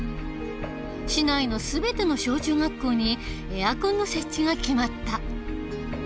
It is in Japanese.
市内の全ての小中学校にエアコンの設置が決まった。